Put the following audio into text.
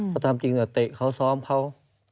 เขาทำจริงเตะเขาซ้อมเขา